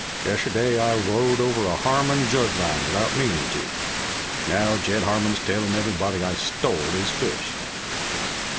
"Yesterday I rowed over a Harmon jug line without meanin' to. Now Jed Harmon's tellin' everybody I stole his fish!"